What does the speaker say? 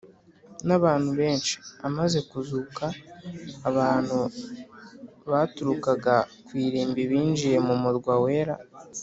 n abantu benshi Amaze kuzuka abantu baturukaga ku irimbi binjiye mu murwa wera